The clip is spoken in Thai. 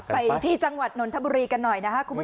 ไปที่จังหวัดนนทบุรีกันหน่อยนะคะ